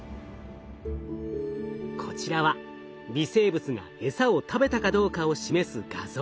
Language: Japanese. こちらは微生物がエサを食べたかどうかを示す画像。